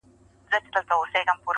هم چالاکه هم غښتلی هم هوښیار وو -